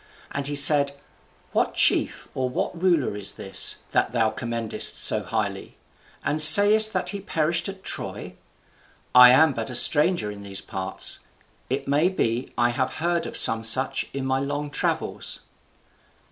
And he said, "What chief or what ruler is this, that thou commendest so highly, and sayest that he perished at Troy? I am but a stranger in these parts. It may be I have heard of some such in my long travels."